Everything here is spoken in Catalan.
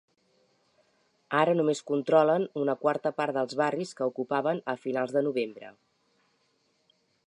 Ara només controlen una quarta part dels barris que ocupaven a finals de novembre.